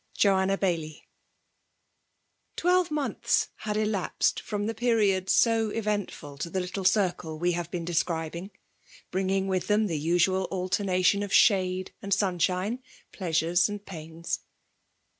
Joanna Bailluu Twelve months had elapsed from the period so eventful to the little circle we have been describing ; bringing Mrith them the usual al ternation of shade and sunshine^ pleasures and pains.